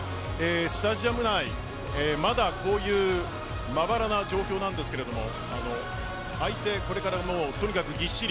スタジアム内、まだこういうまばらな状況なんですけれども相手、これからもう、とにかくぎっしり。